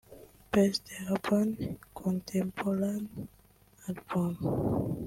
Best Urban Contemporary Album